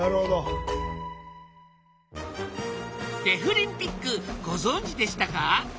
デフリンピックご存じでしたか？